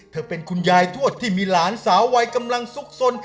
เป็นคุณยายทวดที่มีหลานสาววัยกำลังซุกสน